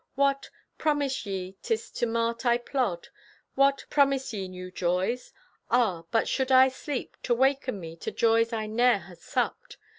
What! Promise ye 'tis to mart I plod? What! Promise ye new joys? Ah, but should I sleep, to waken me To joys I ne'er had supped!